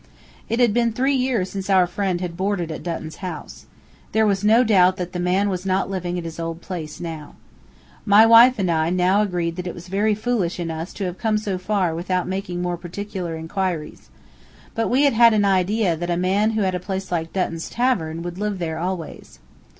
It had been three years since our friend had boarded at Dutton's house. There was no doubt that the man was not living at his old place now. My wife and I now agreed that it was very foolish in us to come so far without making more particular inquiries. But we had had an idea that a man who had a place like Dutton's tavern would live there always.